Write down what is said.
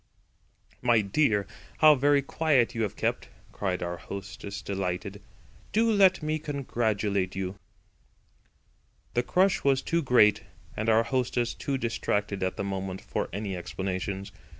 "My dear! how very quiet you have kept!" cried our hostess delighted. "Do let me congratulate you." The crush was too great and our hostess too distracted at the moment for any explanations.